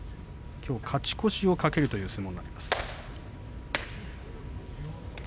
きょうは勝ち越しを懸ける相撲になります。